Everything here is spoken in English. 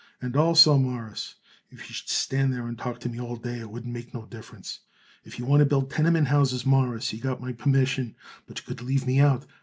And also, Mawruss, if you should stand there and talk to me all day it wouldn't make no difference. If you want to build tenement houses, Mawruss, you got my permission; but you could leave me out.